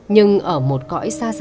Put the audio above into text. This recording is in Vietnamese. nhưng ở một cõi xa xa